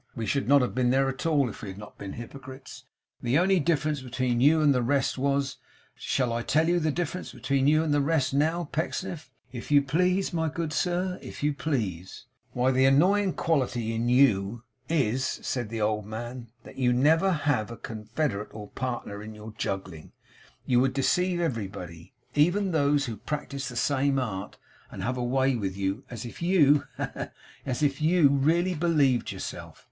We should not have been there at all, if we had not been hypocrites. The only difference between you and the rest was shall I tell you the difference between you and the rest now, Pecksniff?' 'If you please, my good sir; if you please.' 'Why, the annoying quality in YOU, is,' said the old man, 'that you never have a confederate or partner in YOUR juggling; you would deceive everybody, even those who practise the same art; and have a way with you, as if you he, he, he! as if you really believed yourself.